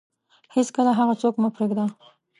هیڅکله هغه څوک مه پرېږده